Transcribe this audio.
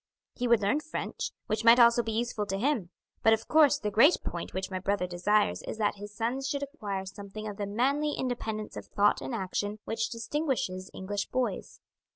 He would learn French, which might also be useful to him; but of course the great point which my brother desires is that his sons should acquire something of the manly independence of thought and action which distinguishes English boys.